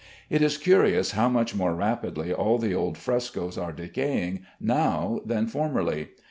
It is curious how much more rapidly all the old frescoes are decaying now than formerly.